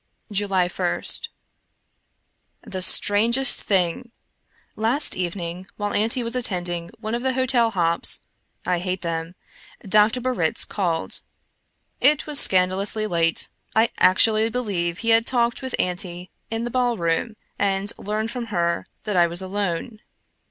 July I The strangest thing! Last evening while Auntie was attending one of the hotel hops (I hate them) Dr. Barritz called. It was scandalously late — I actually believe he had talked with Aimtie in the ballroom, and learned from her that I was alone.